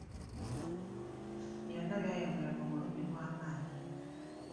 Byonna byayogwerwa mu bulumi obw’amaanyi.